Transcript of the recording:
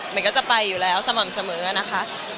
มันก็จะไปอยู่แล้วสม่ำเสมอนะคะ